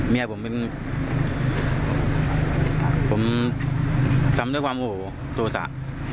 เมียผมเป็นผมทำด้วยความโอโหโทษะ